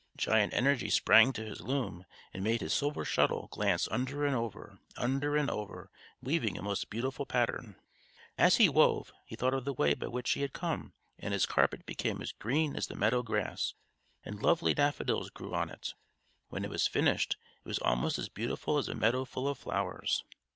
Giant Energy sprang to his loom, and made his silver shuttle glance under and over, under and over, weaving a most beautiful pattern. As he wove, he thought of the way by which he had come; and his carpet became as green as the meadow grass, and lovely daffodils grew on it. When it was finished, it was almost as beautiful as a meadow full of flowers!